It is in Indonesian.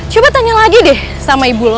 coba tanya lagi deh sama ibu lo